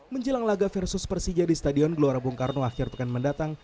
menjelang laga versus persija di stadion gelora bung karno akhir pekan mendatang